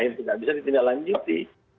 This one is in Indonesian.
itu tidak bisa ditindaklanjuti